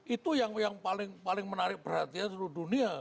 itu yang paling menarik perhatian seluruh dunia